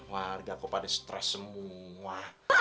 warga kok pada stres semua